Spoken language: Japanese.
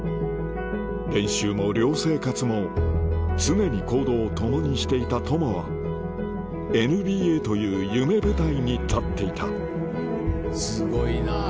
練習も寮生活も常に行動を共にしていた友はＮＢＡという夢舞台に立っていたすごいなぁ。